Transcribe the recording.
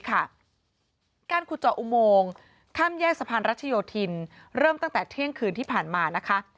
การขุดเจาะอุโมงข้ามแยกสะพานรัชโยธินเริ่มตั้งแต่เที่ยงคืนที่ผ่านมานะคะ